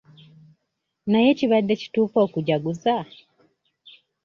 Naye kibadde kituufu okujaguza?